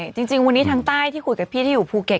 จริงวันนี้ทางใต้ที่คุยกับพี่ที่อยู่ภูเก็ต